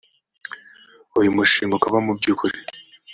uyu mushinga ukaba mu by ukuri